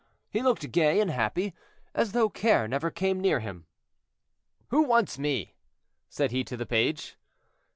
He looked gay and happy, as though care never came near him. "Who wants me?" said he to the page.